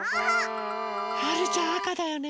はるちゃんあかだよね。